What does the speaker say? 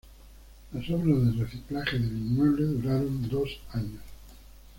Las obras de reciclaje del inmueble duraron dos años.